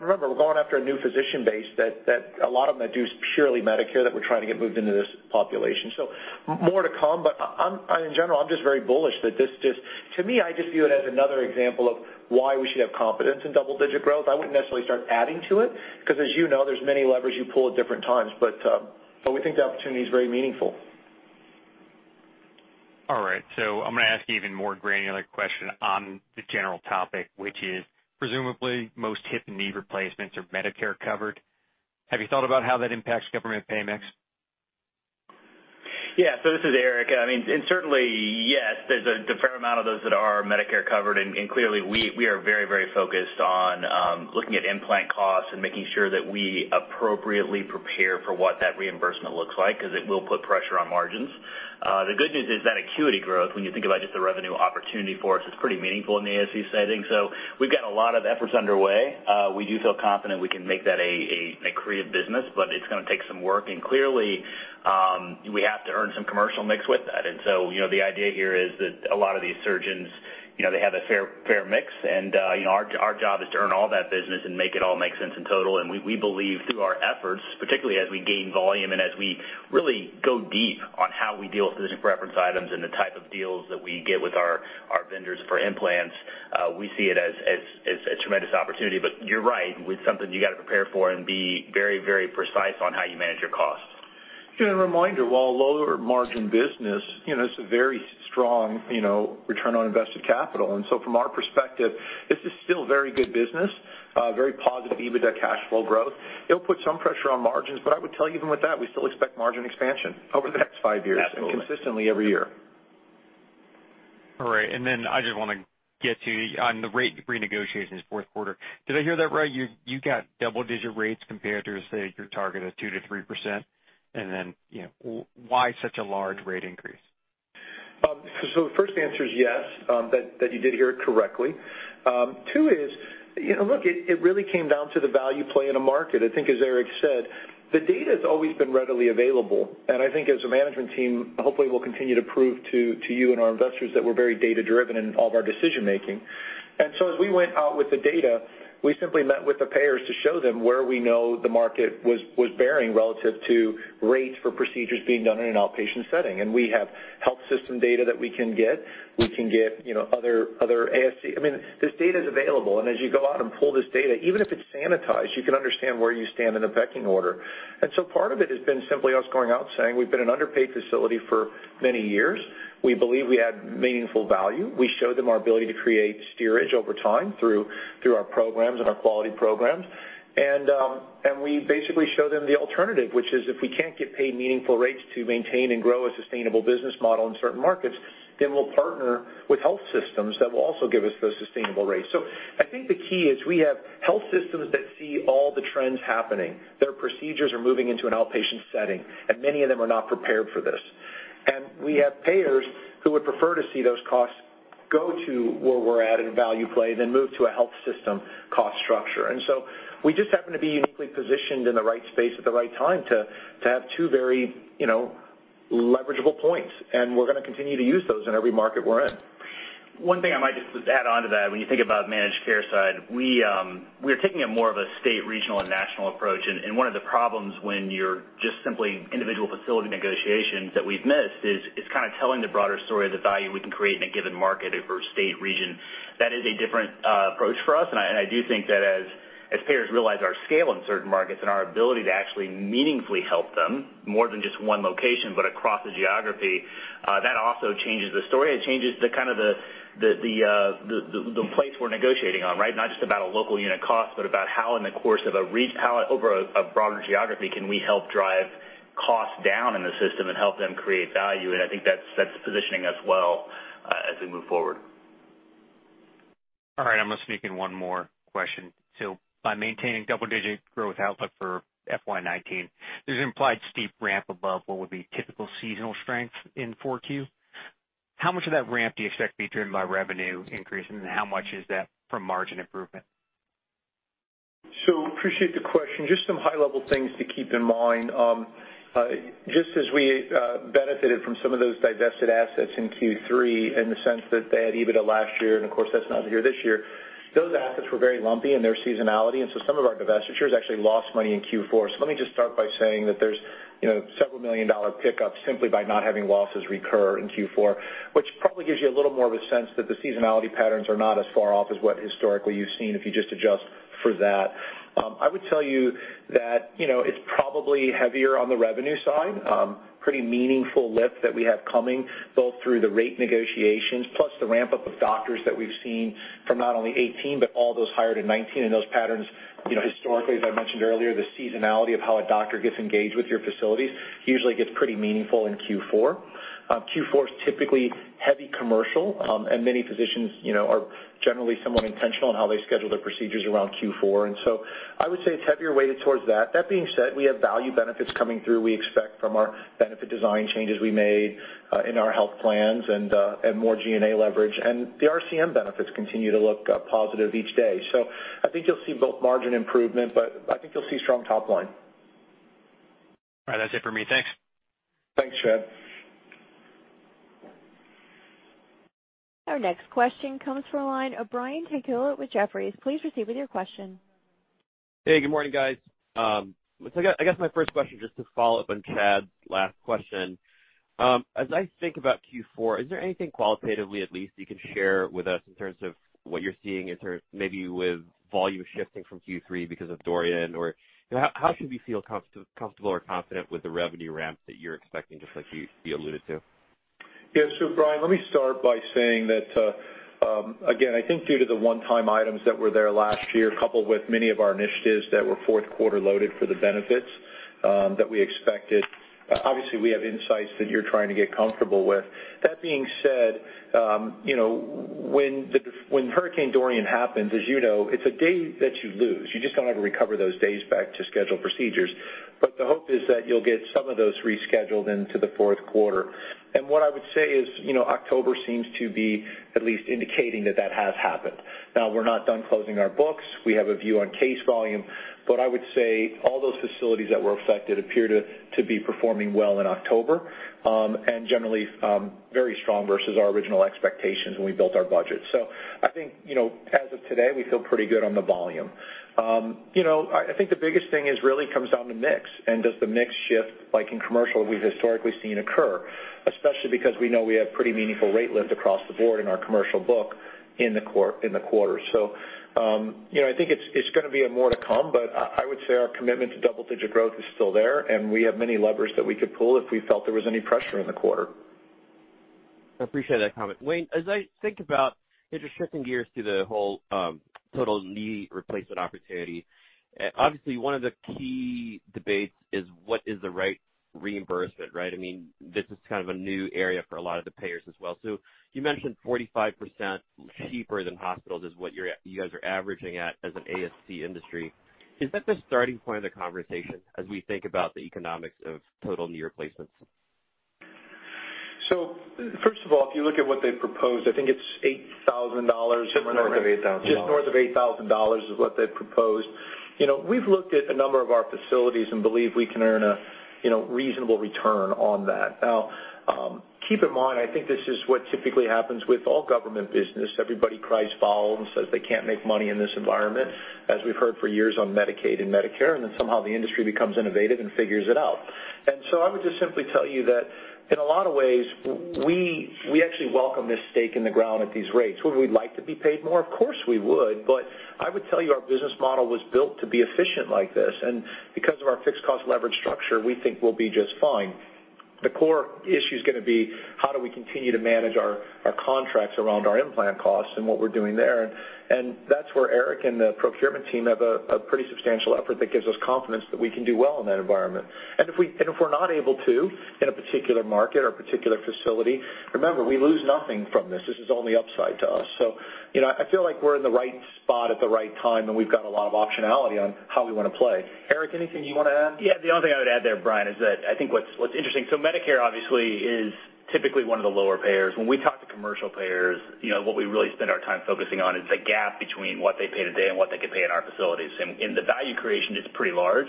Remember, we're going after a new physician base that a lot of them that do purely Medicare, that we're trying to get moved into this population. More to come, but in general, I'm just very bullish that this just, to me, I just view it as another example of why we should have confidence in double-digit growth. I wouldn't necessarily start adding to it, because as you know, there's many levers you pull at different times. We think the opportunity is very meaningful. All right. I'm going to ask you an even more granular question on the general topic, which is, presumably, most hip and knee replacements are Medicare-covered. Have you thought about how that impacts government pay mix? This is Eric. Certainly, yes, there's a fair amount of those that are Medicare-covered, and clearly we are very focused on looking at implant costs and making sure that we appropriately prepare for what that reimbursement looks like, because it will put pressure on margins. The good news is that acuity growth, when you think about just the revenue opportunity for us, is pretty meaningful in the ASC setting. We've got a lot of efforts underway. We do feel confident we can make that a creative business, but it's going to take some work. Clearly, we have to earn some commercial mix with that. The idea here is that a lot of these surgeons, they have a fair mix and our job is to earn all that business and make it all make sense in total. We believe through our efforts, particularly as we gain volume and as we really go deep on how we deal with physician preference items and the type of deals that we get with our vendors for implants, we see it as a tremendous opportunity. You're right, with something you got to prepare for and be very precise on how you manage your costs. A reminder, while lower margin business, it's a very strong return on invested capital. From our perspective, this is still very good business, very positive EBITDA cash flow growth. It'll put some pressure on margins, I would tell you, even with that, we still expect margin expansion over the next five years. Absolutely Consistently every year. All right. I just want to get to you on the rate renegotiations fourth quarter. Did I hear that right? You got double-digit rates compared to, say, your target of 2%-3%? Why such a large rate increase? The first answer is yes, that you did hear it correctly. Two is, look, it really came down to the value play in a market. I think as Eric said, the data has always been readily available, and I think as a management team, hopefully we'll continue to prove to you and our investors that we're very data-driven in all of our decision-making. As we went out with the data, we simply met with the payers to show them where we know the market was bearing relative to rates for procedures being done in an outpatient setting. We have health system data that we can get. We can get other ASC. This data is available, and as you go out and pull this data, even if it's sanitized, you can understand where you stand in the pecking order. Part of it has been simply us going out saying, "We've been an underpaid facility for many years. We believe we add meaningful value." We show them our ability to create steerage over time through our programs and our quality programs. We basically show them the alternative, which is if we can't get paid meaningful rates to maintain and grow a sustainable business model in certain markets, then we'll partner with health systems that will also give us those sustainable rates. I think the key is we have health systems that see all the trends happening. Their procedures are moving into an outpatient setting, and many of them are not prepared for this. We have payers who would prefer to see those costs go to where we're at in value play, then move to a health system cost structure. We just happen to be uniquely positioned in the right space at the right time to have two very leverageable points, and we're going to continue to use those in every market we're in. One thing I might just add onto that, when you think about managed care side, we're taking a more of a state, regional, and national approach. One of the problems when you're just simply individual facility negotiations that we've missed is kind of telling the broader story of the value we can create in a given market or state region. That is a different approach for us, and I do think that as payers realize our scale in certain markets and our ability to actually meaningfully help them more than just one location, but across the geography, that also changes the story. It changes the place we're negotiating on, right? Not just about a local unit cost, but about how in the course of a repayment over a broader geography can we help drive costs down in the system and help them create value. I think that's positioning us well as we move forward. All right. I'm going to sneak in one more question. By maintaining double-digit growth outlook for FY 2019, there's implied steep ramp above what would be typical seasonal strength in four Q. How much of that ramp do you expect to be driven by revenue increase, and how much is that from margin improvement? Appreciate the question. Just some high-level things to keep in mind. As we benefited from some of those divested assets in Q3 in the sense that they had EBITDA last year, of course, that's not here this year. Those assets were very lumpy in their seasonality, some of our divestitures actually lost money in Q4. Let me just start by saying that there's several million dollar pickups simply by not having losses recur in Q4, which probably gives you a little more of a sense that the seasonality patterns are not as far off as what historically you've seen if you just adjust for that. I would tell you that it's probably heavier on the revenue side. Pretty meaningful lift that we have coming, both through the rate negotiations plus the ramp-up of doctors that we've seen from not only 2018, but all those hired in 2019. Those patterns historically, as I mentioned earlier, the seasonality of how a doctor gets engaged with your facilities usually gets pretty meaningful in Q4. Q4 is typically heavy commercial. Many physicians are generally somewhat intentional in how they schedule their procedures around Q4. I would say it's heavier weighted towards that. That being said, we have value benefits coming through, we expect from our benefit design changes we made in our health plans and more G&A leverage, and the RCM benefits continue to look positive each day. I think you'll see both margin improvement, but I think you'll see strong top line. All right. That's it for me. Thanks. Thanks, Chad. Our next question comes from the line of Brian Tanquilut with Jefferies. Please proceed with your question. Hey, good morning, guys. I guess my first question, just to follow up on Chad's last question. As I think about Q4, is there anything qualitatively, at least, you can share with us in terms of what you're seeing in terms maybe with volume shifting from Q3 because of Dorian? How should we feel comfortable or confident with the revenue ramps that you're expecting, just like you alluded to? Brian, let me start by saying that, again, I think due to the one-time items that were there last year, coupled with many of our initiatives that were fourth quarter loaded for the benefits that we expected, obviously we have insights that you're trying to get comfortable with. That being said, when Hurricane Dorian happens, as you know, it's a day that you lose. You just don't ever recover those days back to scheduled procedures. The hope is that you'll get some of those rescheduled into the fourth quarter. What I would say is October seems to be at least indicating that that has happened. We're not done closing our books. We have a view on case volume. I would say all those facilities that were affected appear to be performing well in October, and generally very strong versus our original expectations when we built our budget. I think as of today, we feel pretty good on the volume. I think the biggest thing is really comes down to mix and does the mix shift like in commercial we've historically seen occur, especially because we know we have pretty meaningful rate lift across the board in our commercial book in the quarter. I think it's going to be a more to come, but I would say our commitment to double-digit growth is still there, and we have many levers that we could pull if we felt there was any pressure in the quarter. I appreciate that comment. Wayne, as I think about, just shifting gears to the whole total knee replacement opportunity, obviously one of the key debates is what is the right reimbursement, right? This is kind of a new area for a lot of the payers as well. You mentioned 45% cheaper than hospitals is what you guys are averaging at as an ASC industry. Is that the starting point of the conversation as we think about the economics of total knee replacements? First of all, if you look at what they've proposed, I think it's $8,000. Just north of $8,000. Just north of $8,000 is what they've proposed. We've looked at a number of our facilities and believe we can earn a reasonable return on that. Now, keep in mind, I think this is what typically happens with all government business. Everybody cries foul and says they can't make money in this environment, as we've heard for years on Medicaid and Medicare, and then somehow the industry becomes innovative and figures it out. I would just simply tell you that in a lot of ways, we actually welcome this stake in the ground at these rates. Would we like to be paid more? Of course, we would, but I would tell you our business model was built to be efficient like this. Because of our fixed cost leverage structure, we think we'll be just fine. The core issue's going to be how do we continue to manage our contracts around our implant costs and what we're doing there, and that's where Eric and the procurement team have a pretty substantial effort that gives us confidence that we can do well in that environment. If we're not able to in a particular market or particular facility, remember, we lose nothing from this. This is only upside to us. I feel like we're in the right spot at the right time, and we've got a lot of optionality on how we want to play. Eric, anything you want to add? Yeah. The only thing I would add there, Brian, is that I think what's interesting. Medicare obviously is typically one of the lower payers. When we talk to commercial payers, what we really spend our time focusing on is the gap between what they pay today and what they could pay in our facilities, and the value creation is pretty large.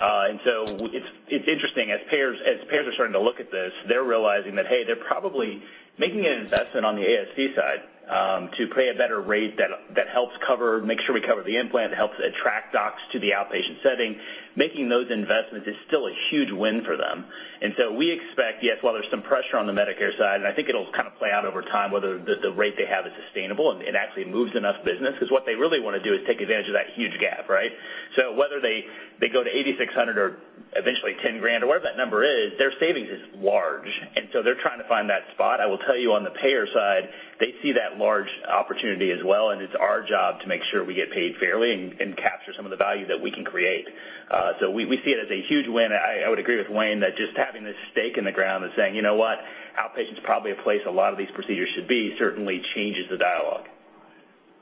It's interesting. As payers are starting to look at this, they're realizing that, hey, they're probably making an investment on the ASC side to pay a better rate that helps make sure we cover the implant, that helps attract docs to the outpatient setting. Making those investments is still a huge win for them. We expect, yes, while there's some pressure on the Medicare side, and I think it'll play out over time whether the rate they have is sustainable and actually moves enough business because what they really want to do is take advantage of that huge gap, right? Whether they go to $8,600 or eventually $10,000 or whatever that number is, their savings is large. They're trying to find that spot. I will tell you on the payer side, they see that large opportunity as well, and it's our job to make sure we get paid fairly and capture some of the value that we can create. We see it as a huge win. I would agree with Wayne that just having this stake in the ground and saying, "You know what? Outpatient's probably a place a lot of these procedures should be, certainly changes the dialogue.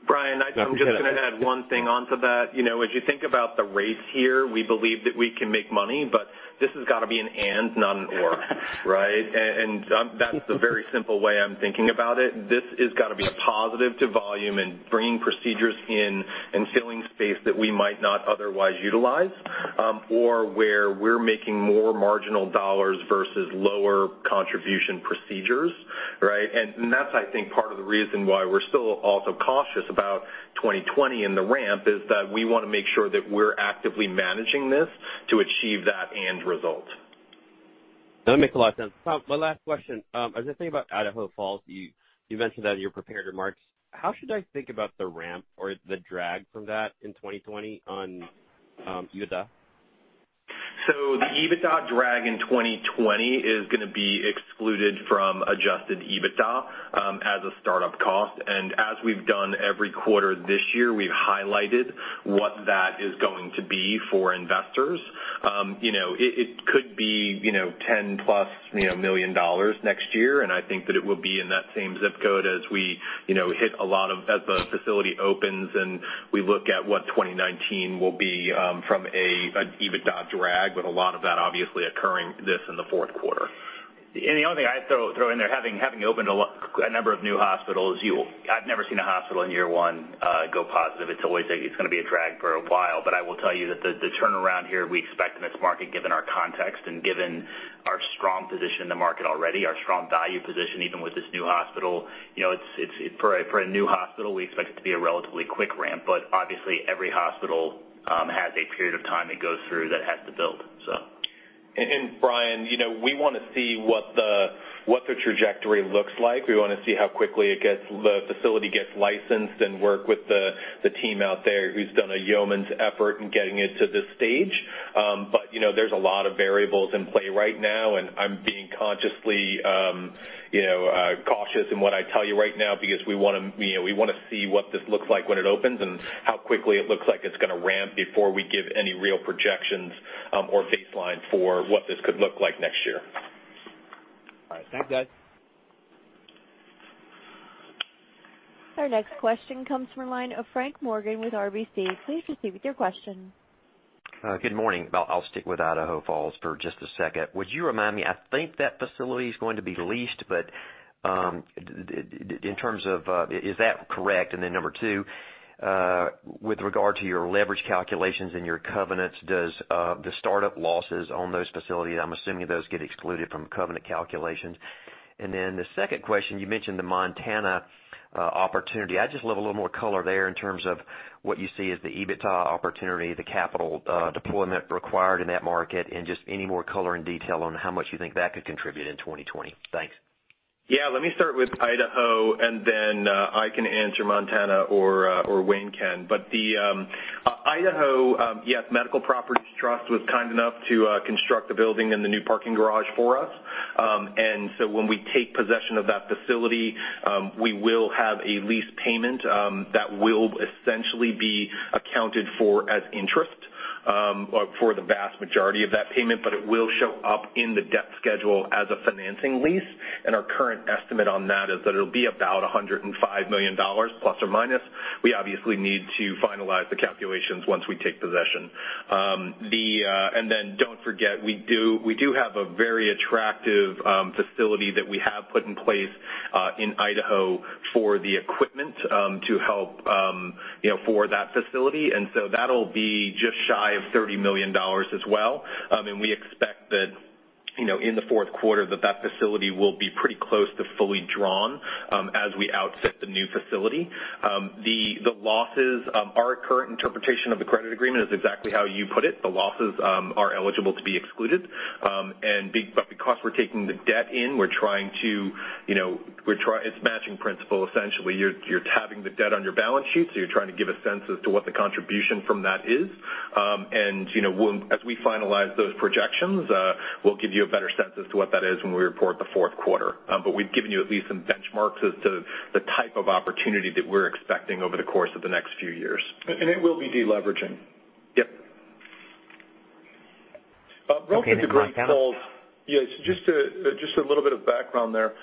Brian, I'm just going to add one thing onto that. As you think about the rates here, we believe that we can make money, but this has got to be an and, not an or, right? That's the very simple way I'm thinking about it. This has got to be a positive to volume and bringing procedures in and filling space that we might not otherwise utilize, or where we're making more marginal dollars versus lower contribution procedures, right? That's, I think, part of the reason why we're still also cautious about 2020 and the ramp is that we want to make sure that we're actively managing this to achieve that end result. That makes a lot of sense. My last question. As I think about Idaho Falls, you mentioned that in your prepared remarks, how should I think about the ramp or the drag from that in 2020 on EBITDA? The EBITDA drag in 2020 is going to be excluded from adjusted EBITDA as a startup cost. As we've done every quarter this year, we've highlighted what that is going to be for investors. It could be $10 plus million next year, and I think that it will be in that same zip code as the facility opens and we look at what 2019 will be from an EBITDA drag with a lot of that obviously occurring this in the fourth quarter. The only thing I'd throw in there, having opened a number of new hospitals, I've never seen a hospital in year one go positive. It's going to be a drag for a while. I will tell you that the turnaround here, we expect in this market, given our context and given our strong position in the market already, our strong value position, even with this new hospital, for a new hospital, we expect it to be a relatively quick ramp. Obviously, every hospital has a period of time it goes through that it has to build so. Brian, we want to see what the trajectory looks like. We want to see how quickly the facility gets licensed and work with the team out there who's done a yeoman's effort in getting it to this stage. There's a lot of variables in play right now. I'm being consciously cautious in what I tell you right now because we want to see what this looks like when it opens and how quickly it looks like it's going to ramp before we give any real projections or baseline for what this could look like next year. All right. Thanks, guys. Our next question comes from the line of Frank Morgan with RBC. Please proceed with your question. Good morning. I'll stick with Idaho Falls for just a second. Would you remind me, I think that facility is going to be leased, but in terms of, is that correct? Then number two, with regard to your leverage calculations and your covenants, does the startup losses on those facilities, I'm assuming those get excluded from covenant calculations. Then the second question, you mentioned the Montana opportunity. I'd just love a little more color there in terms of what you see as the EBITDA opportunity, the capital deployment required in that market, and just any more color and detail on how much you think that could contribute in 2020. Thanks. Let me start with Idaho, then I can answer Montana or Wayne can. The Idaho, yes, Medical Properties Trust was kind enough to construct the building and the new parking garage for us. When we take possession of that facility, we will have a lease payment that will essentially be accounted for as interest for the vast majority of that payment, but it will show up in the debt schedule as a financing lease. Our current estimate on that is that it'll be about $105 million plus or minus. We obviously need to finalize the calculations once we take possession. Then don't forget, we do have a very attractive facility that we have put in place in Idaho for the equipment to help for that facility. So that'll be just shy of $30 million as well. We expect that in the fourth quarter that facility will be pretty close to fully drawn as we outfit the new facility. The losses, our current interpretation of the credit agreement is exactly how you put it. The losses are eligible to be excluded. Because we're taking the debt in, it's matching principle, essentially. You're tabbing the debt on your balance sheet, so you're trying to give a sense as to what the contribution from that is. As we finalize those projections, we'll give you a better sense as to what that is when we report the fourth quarter. We've given you at least some benchmarks as to the type of opportunity that we're expecting over the course of the next few years. It will be deleveraging. Yep. Okay. Great. Relative to Idaho Falls, yes, just a little bit of background there.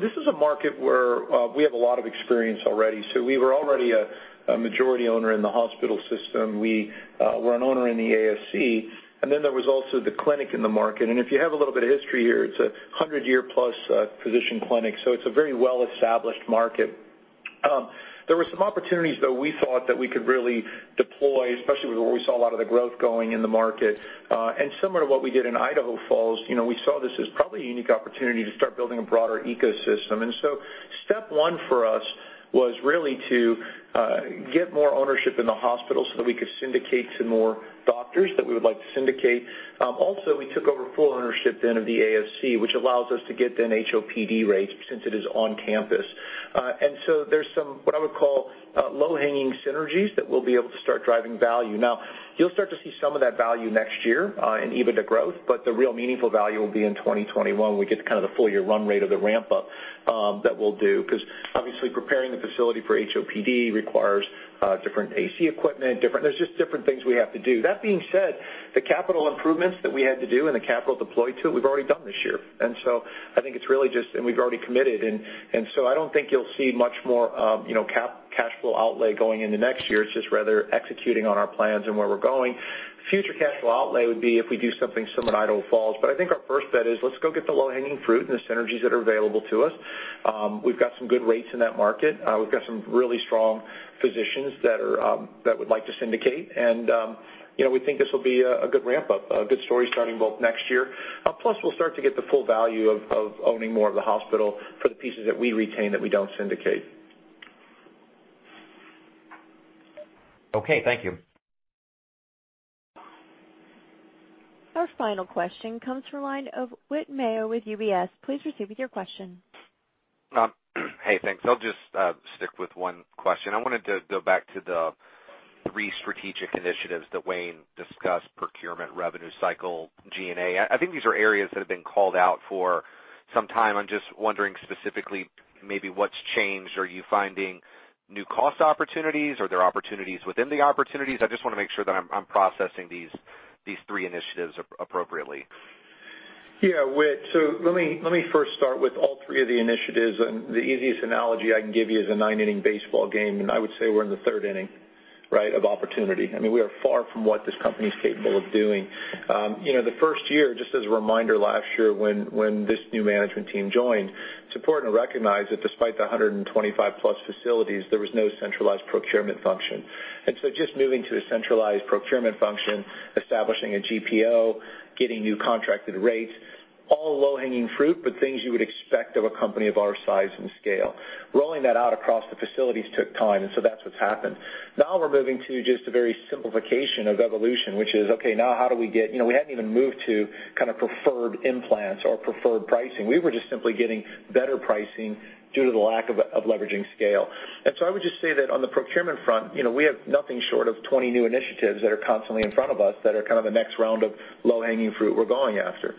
This is a market where we have a lot of experience already. We were already a majority owner in the hospital system. We were an owner in the ASC, and then there was also the clinic in the market. If you have a little bit of history here, it's a 100-year-plus physician clinic, so it's a very well-established market. There were some opportunities that we thought that we could really deploy, especially where we saw a lot of the growth going in the market. Similar to what we did in Idaho Falls, we saw this as probably a unique opportunity to start building a broader ecosystem. Step one for us was really to get more ownership in the hospital so that we could syndicate to more doctors that we would like to syndicate. Also, we took over full ownership then of the ASC, which allows us to get then HOPD rates since it is on campus. There's some, what I would call low-hanging synergies that we'll be able to start driving value. Now, you'll start to see some of that value next year in EBITDA growth, but the real meaningful value will be in 2021, when we get the full year run rate of the ramp-up that we'll do, because obviously preparing the facility for HOPD requires different AC equipment. There's just different things we have to do. That being said, the capital improvements that we had to do and the capital deployed to it, we've already done this year. We've already committed, and so I don't think you'll see much more cash flow outlay going into next year. It's just rather executing on our plans and where we're going. Future cash flow outlay would be if we do something similar to Idaho Falls. I think our first bet is let's go get the low-hanging fruit and the synergies that are available to us. We've got some good rates in that market. We've got some really strong physicians that would like to syndicate, and we think this will be a good ramp-up, a good story starting both next year. Plus, we'll start to get the full value of owning more of the hospital for the pieces that we retain that we don't syndicate. Okay. Thank you. Our final question comes from the line of Whit Mayo with UBS. Please proceed with your question. Hey, thanks. I'll just stick with one question. I wanted to go back to the three strategic initiatives that Wayne discussed, procurement, revenue, cycle, G&A. I think these are areas that have been called out for some time. I'm just wondering specifically maybe what's changed. Are you finding new cost opportunities? Are there opportunities within the opportunities? I just want to make sure that I'm processing these three initiatives appropriately. Yeah, Whit. Let me first start with all three of the initiatives, and the easiest analogy I can give you is a nine-inning baseball game, and I would say we're in the third inning of opportunity. We are far from what this company's capable of doing. The first year, just as a reminder, last year when this new management team joined, it's important to recognize that despite the 125-plus facilities, there was no centralized procurement function. Just moving to a centralized procurement function, establishing a GPO, getting new contracted rates, all low-hanging fruit, but things you would expect of a company of our size and scale. Rolling that out across the facilities took time, that's what's happened. Now we're moving to just a very simplification of evolution, which is, okay, We hadn't even moved to preferred implants or preferred pricing. We were just simply getting better pricing due to the lack of leveraging scale. I would just say that on the procurement front, we have nothing short of 20 new initiatives that are constantly in front of us that are the next round of low-hanging fruit we're going after.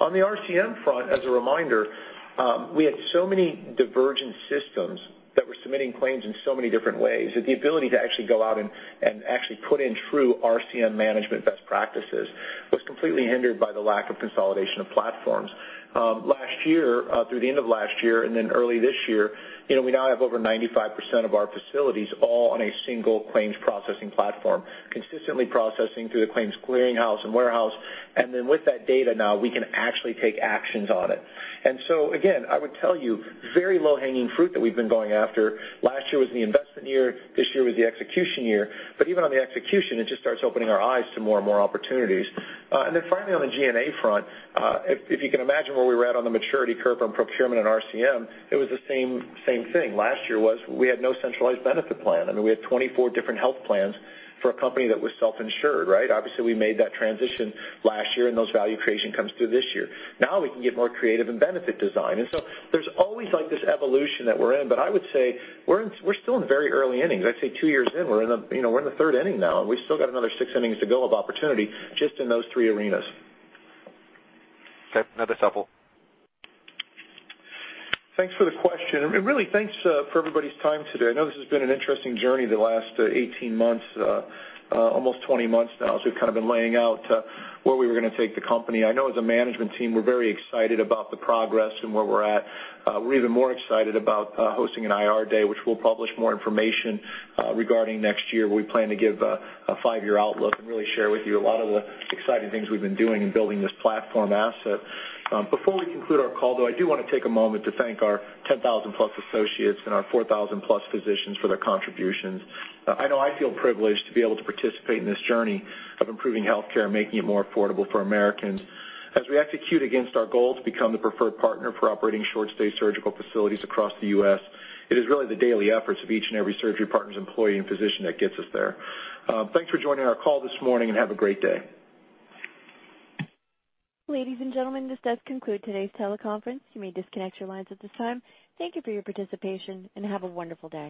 On the RCM front, as a reminder, we had so many divergent systems that were submitting claims in so many different ways that the ability to actually go out and actually put in true RCM management best practices was completely hindered by the lack of consolidation of platforms. Through the end of last year and then early this year, we now have over 95% of our facilities all on a single claims processing platform, consistently processing through the claims clearing house and warehouse. With that data now, we can actually take actions on it. Again, I would tell you, very low-hanging fruit that we've been going after. Last year was the investment year. This year was the execution year. Even on the execution, it just starts opening our eyes to more and more opportunities. Finally, on the G&A front, if you can imagine where we were at on the maturity curve on procurement and RCM, it was the same thing. Last year was we had no centralized benefit plan, and we had 24 different health plans for a company that was self-insured. Obviously, we made that transition last year, and those value creation comes through this year. Now we can get more creative in benefit design. There's always this evolution that we're in, but I would say we're still in very early innings. I'd say two years in, we're in the third inning now, and we've still got another six innings to go of opportunity just in those three arenas. Okay, that's helpful. Thanks for the question, really thanks for everybody's time today. I know this has been an interesting journey the last 18 months, almost 20 months now, as we've been laying out where we were going to take the company. I know as a management team, we're very excited about the progress and where we're at. We're even more excited about hosting an IR Day, which we'll publish more information regarding next year, where we plan to give a five-year outlook and really share with you a lot of the exciting things we've been doing in building this platform asset. Before we conclude our call, though, I do want to take a moment to thank our 10,000-plus associates and our 4,000-plus physicians for their contributions. I know I feel privileged to be able to participate in this journey of improving healthcare and making it more affordable for Americans. As we execute against our goal to become the preferred partner for operating short-stay surgical facilities across the U.S., it is really the daily efforts of each and every Surgery Partners employee and physician that gets us there. Thanks for joining our call this morning, and have a great day. Ladies and gentlemen, this does conclude today's teleconference. You may disconnect your lines at this time. Thank you for your participation, and have a wonderful day.